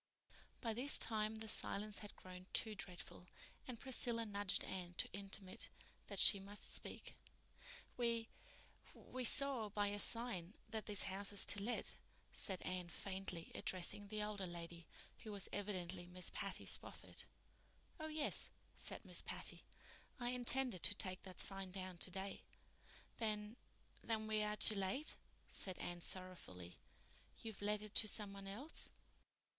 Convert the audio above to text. By this time the silence had grown too dreadful, and Priscilla nudged Anne to intimate that she must speak. "We—we—saw by your sign that this house is to let," said Anne faintly, addressing the older lady, who was evidently Miss Patty Spofford. "Oh, yes," said Miss Patty. "I intended to take that sign down today." "Then—then we are too late," said Anne sorrowfully. "You've let it to some one else?"